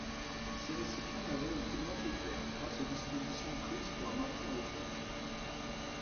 Ces récipients n’avaient aucunement souffert, grâce aux dispositions prises pour amortir le choc.